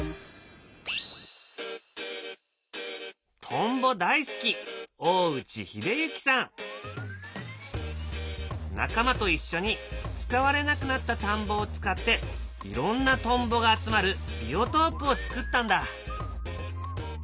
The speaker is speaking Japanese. トンボ大好き仲間と一緒に使われなくなった田んぼを使っていろんなトンボが集まるビオトープをつくったんだ。